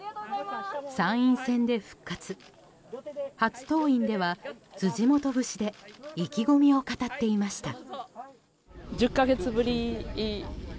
参院選で復活初登院では辻元節で意気込みを語っていました。